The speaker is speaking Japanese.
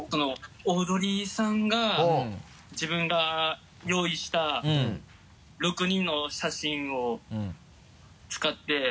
オードリーさんが自分が用意した６人の写真を使って。